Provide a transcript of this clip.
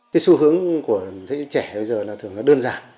cái xu hướng của những trẻ bây giờ là thường nó đơn giản